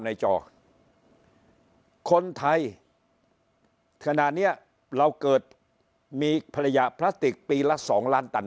จอคนไทยขณะเนี้ยเราเกิดมีภรรยาพลาสติกปีละสองล้านตัน